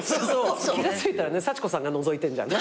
気が付いたらね幸子さんがのぞいてんじゃん。